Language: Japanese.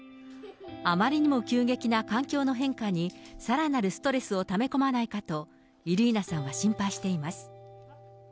あまりにも急激な環境の変化に、さらなるストレスをため込まないかと、イリーナさんは心配しています。